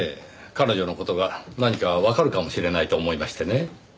彼女の事が何かわかるかもしれないと思いましてね。